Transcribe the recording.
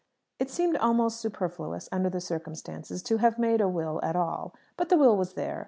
It seemed almost superfluous, under the circumstances, to have made a will at all. But the will was there.